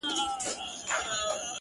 د يوسفي ښکلا له هر نظره نور را اوري _